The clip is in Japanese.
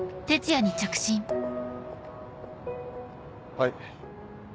はい。